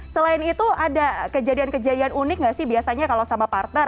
selain itu ada kejadian kejadian unik nggak sih biasanya kalau sama partner